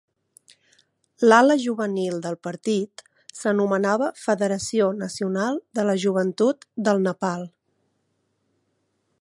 L'ala juvenil del partit s'anomenava Federació Nacional de la Joventut del Nepal.